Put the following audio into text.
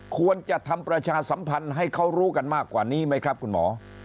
ควรจะทำประชาสัมพันธ์ให้เขารู้กันมากกว่านี้ไหมครับคุณหมอ